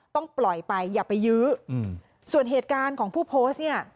ต้องปล่อยไปอย่าไปยื้อส่วนเหตุการณ์ของผู้โพสต์เนี่ย